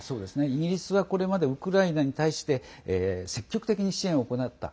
イギリスは、これまでウクライナに対して積極的に支援を行った。